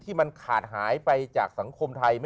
ที่มันขาดหายไปจากสังคมไทย